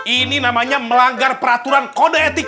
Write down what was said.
ini namanya melanggar peraturan kode etik